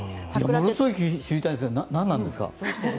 ものすごい知りたいんですよね、何なんですか？